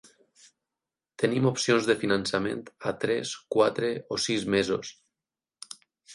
Tenim opcions de finançament a tres, quatre o sis mesos.